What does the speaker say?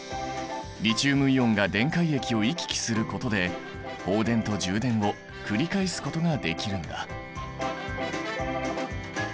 リチウムイオンが電解液を行き来することで放電と充電を繰り返すことができるんだ。